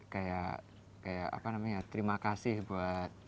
kayak apa namanya terima kasih buat